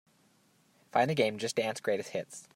Find the game Just Dance Greatest Hits